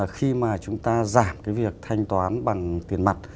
khi mà chúng ta giảm cái việc thanh toán bằng tiền mặt